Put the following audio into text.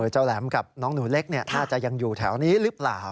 แหลมกับน้องหนูเล็กน่าจะยังอยู่แถวนี้หรือเปล่า